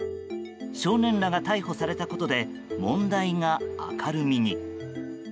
少年らが逮捕されたことで問題が明るみに。